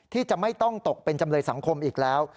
ที่จะไม่ต้องตกเป็นจำเลยสังคมอีกแล้ว